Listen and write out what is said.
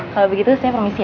kalau begitu saya permisi